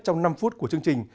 trong năm phút của chương trình